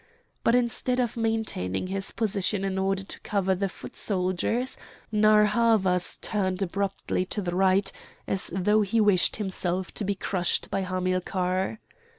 But instead of maintaining his position in order to cover the foot soldiers, Narr' Havas turned abruptly to the right, as though he wished himself to be crushed by Hamilcar.